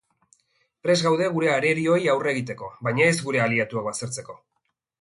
Prest gaude gure arerioei aurre egiteko, baina ez gure aliatuak baztertzeko.